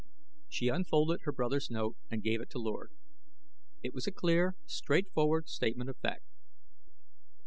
She unfolded her brother's note and gave it to Lord. It was a clear, straight forward statement of fact.